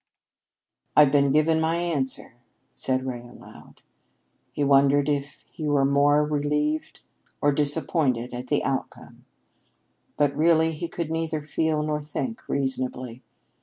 "I've been given my answer," said Ray aloud. He wondered if he were more relieved or disappointed at the outcome. But really he could neither feel nor think reasonably.